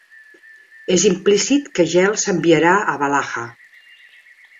És implícit que Gel s'enviarà a Valhalla.